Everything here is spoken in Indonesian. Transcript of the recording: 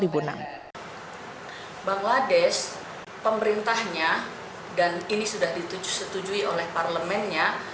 bangladesh pemerintahnya dan ini sudah dituju setujui oleh parlemennya